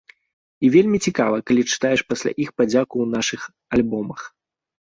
І вельмі цікава, калі чытаеш пасля іх падзяку ў нашых альбомах.